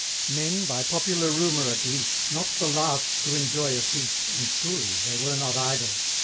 Men, by popular rumor at least, Not the last to enjoy a feast! And truly they were not idle!